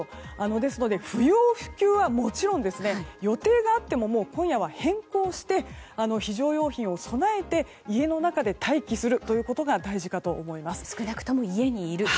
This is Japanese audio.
ですので、不要不急はもちろん予定があっても今夜は変更して非常用品を備えて家の中で待機することが少なくとも家にいると。